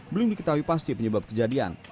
belum diketahui pasti penyebab kejadian